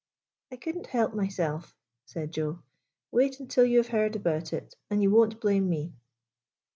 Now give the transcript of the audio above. " I could n't help myself," said Joe. " Wait until you have heard about it, and you won't blame me."